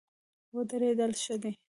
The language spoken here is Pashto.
ودرېدل ښه دی.